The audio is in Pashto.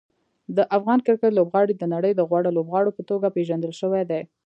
د افغان کرکټ لوبغاړي د نړۍ د غوره لوبغاړو په توګه پېژندل شوي دي.